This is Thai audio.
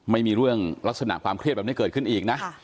ไม่มีเรื่องลักษณะความเครียดแบบนี้เกิดขึ้นอีกนะ